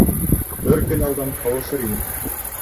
Бер көн алдан ҡауышыр инек.